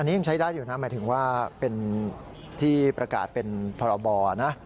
อันนี้ยังใช้ได้อยู่นะหมายถึงว่าเป็นที่ประกาศเป็นพรบนะ